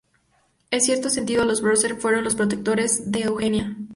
En cierto sentido, los Borghese fueron los Protectores de Eugenia.